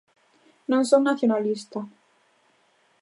Non son nacionalista.